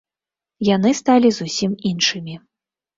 Яны сталі зусім іншымі.